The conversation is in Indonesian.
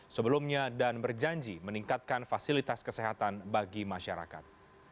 sebelumnya dan berjanji meningkatkan fasilitas kesehatan bagi masyarakat